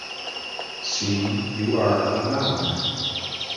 See, you are a nun.